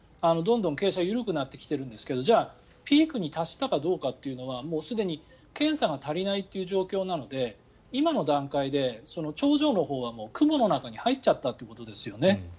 どんどん傾斜が緩くなってきているんですけどじゃあピークに達したかどうかというのはもうすでに検査が足りないという状況なので今の段階で頂上のほうは雲の中に入っちゃったってことですよね。